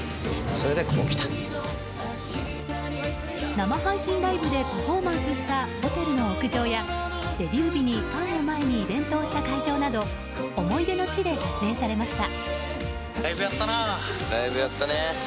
生配信ライブでパフォーマンスしたホテルの屋上やデビュー日にファンを前にイベントをした会場など思い出の地で撮影されました。